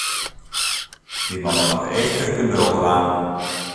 Wy moatte noch eefkes geduld dwaan.